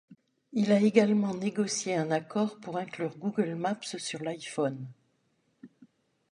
Il a également négocié un accord pour inclure Google Maps sur l'iPhone.